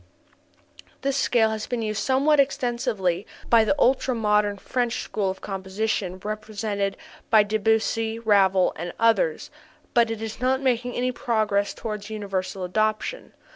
This scale has been used somewhat extensively by the ultramodern French school of composition represented by Debussy, Ravel, and others, but is not making any progress toward universal adoption.